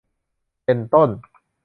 เป็นต้น